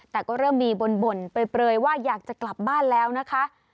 แต่ก็เริ่มมีบ่นเปลยว่าอยากจะกลับบ้านแล้วนะคะ